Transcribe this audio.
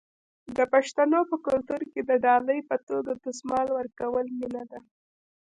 د پښتنو په کلتور کې د ډالۍ په توګه دستمال ورکول مینه ده.